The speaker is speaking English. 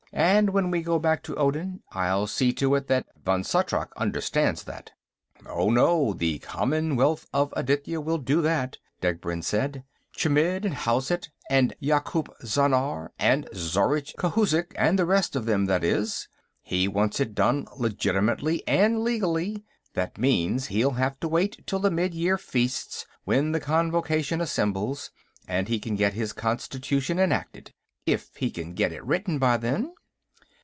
And when we go back to Odin, I'll see to it that Vann Shatrak understands that." "Oh, no. The Commonwealth of Aditya will do that," Degbrend said. "Chmidd and Hozhet and Yakoop Zhannar and Zhorzh Khouzhik and the rest of them, that is. He wants it done legitimately and legally. That means, he'll have to wait till the Midyear Feasts, when the Convocation assembles, and he can get his constitution enacted. If he can get it written by then."